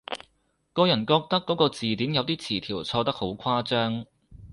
個人覺得嗰個字典有啲詞條錯得好誇張